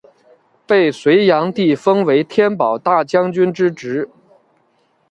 被隋炀帝封为天保大将军之职。